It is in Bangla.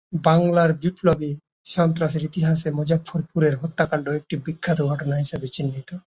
বাংলার বিপ্লবী সন্ত্রাসের ইতিহাসে মুজাফ্ফরপুরের হত্যাকান্ড একটি বিখ্যাত ঘটনা হিসেবে চিহ্নিত।